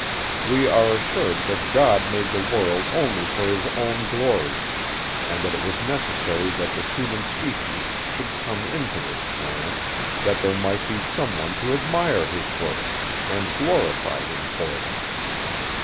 We are assured, that God made the world only for his own glory, and that it was necessary that the human species should come into this plan, that there might be some one to admire his works, and glorify him for them.